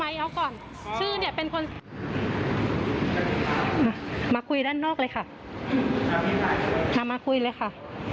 มาคุยด้านนอกเลยค่ะมาคุยเลยค่ะ